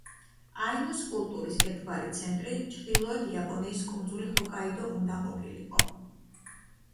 აინუს კულტურის ერთგვარი ცენტრი ჩრდილოეთ იაპონიის კუნძული ჰოკაიდო უნდა ყოფილიყო.